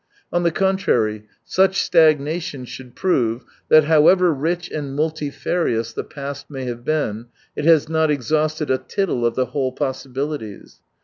On the contrary, such stag nation should prove that however rich and multifarious the past may have been, it has not exhausted a tittle of the whole possi bilities.